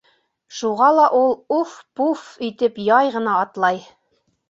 Шуға ла ул уф-пуф итеп яй ғына атлай.